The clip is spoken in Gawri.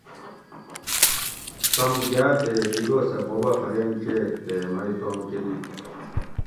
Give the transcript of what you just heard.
تم گاٞ تے دی دوسٞہ بوب اٞ فریم چیگ تے مئ توم کٞہ دِت